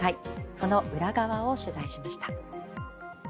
その裏側を取材しました。